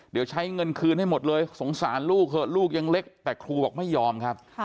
เดี๋ยวใช้เงินคืนให้หมดเลยสงสารลูกเถอะลูกยังเล็กแต่ครูบอกไม่ยอมครับ